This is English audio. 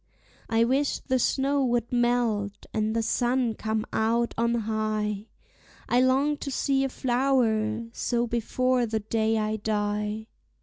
I wish the snow would melt and the sun come out on high, I long to see a flower so before the day I die.